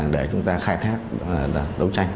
để chúng ta khai thác đấu tranh